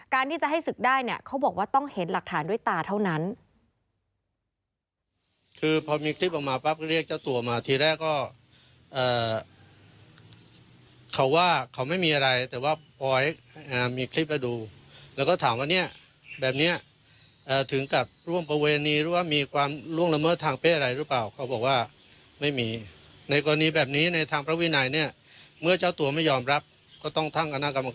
ที่จะให้ศึกได้เนี่ยเขาบอกว่าต้องเห็นหลักฐานด้วยตาเท่านั้น